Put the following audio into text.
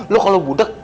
lo kalau budak